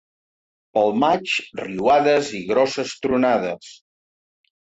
Pel maig riuades i grosses tronades.